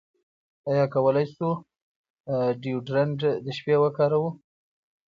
ایا کولی شو ډیوډرنټ د شپې وکاروو؟